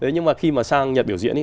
nhưng mà khi mà sang nhật biểu diễn